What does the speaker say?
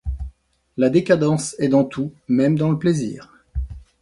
La décadence est dans tout, même dans le plaisir.